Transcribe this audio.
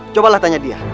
cobalah tanya dia